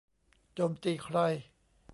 โจมตีใคร